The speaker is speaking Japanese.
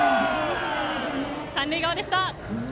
三塁側でした。